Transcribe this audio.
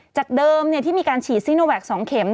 จากเดิมที่มีการฉีดซีโนแวค๒เข็ม